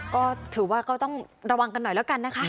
ก็ถือว่าก็ต้องระวังกันหน่อยแล้วกันนะคะ